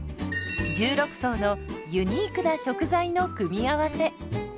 １６層のユニークな食材の組み合わせ。